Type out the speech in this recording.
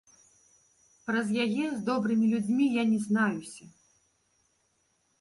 Праз яе з добрымі людзьмі я не знаюся.